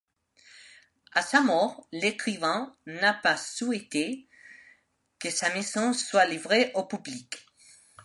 À sa mort, l'écrivain n'a pas souhaité que sa maison soit livrée au public.